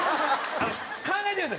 考えてください！